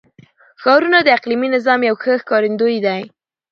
ښارونه د اقلیمي نظام یو ښه ښکارندوی دی.